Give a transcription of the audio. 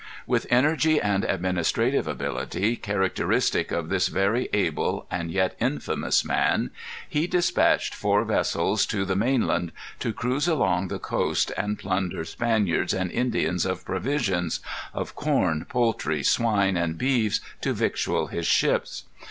With energy and administrative ability characteristic of this very able and yet infamous man, he dispatched four vessels to the mainland, to cruise along the coast and plunder Spaniards and Indians of provisions, of corn, poultry, swine, and beeves, to victual his ships.